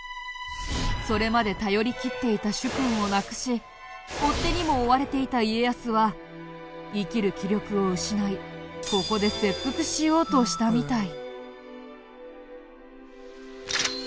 それまで頼りきっていた主君を亡くし追っ手にも追われていた家康は生きる気力を失いここで切腹しようとしたみたい。